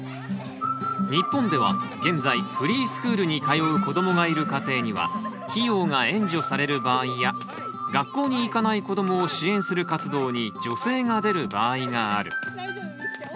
日本では現在フリースクールに通う子どもがいる家庭には費用が援助される場合や学校に行かない子どもを支援する活動に助成が出る場合がある。